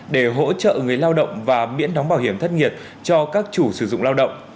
để hỗ trợ người lao động và miễn đóng bảo hiểm thất nghiệp cho các chủ sử dụng lao động